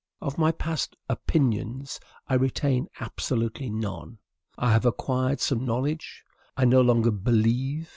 Of my past OPINIONSS I retain absolutely none. I have acquired some KNOWLEDGE. I no longer BELIEVE.